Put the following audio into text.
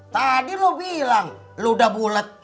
tadi lu bilang lu udah bulet